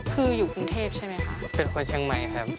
คืออยู่กรุงเทพใช่ไหมครับ